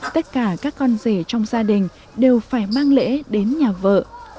tất cả các con rể trong gia đình đều phải mang lễ đến nhà vợ